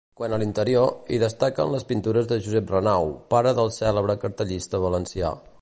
Quant a l'interior, hi destaquen les pintures de Josep Renau, pare del cèlebre cartellista valencià.